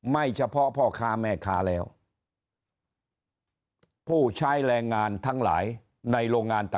เฉพาะพ่อค้าแม่ค้าแล้วผู้ใช้แรงงานทั้งหลายในโรงงาน